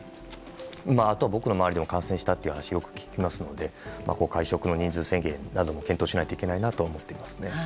あと僕の周りでも感染したという話をよく聞くので人数制限なども検討しないといけないなと思います。